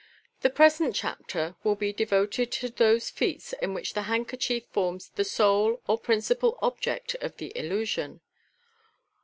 The present chapter wiM be devoted to those feats in which the handkerchief forms the sole or principal object of the illusion.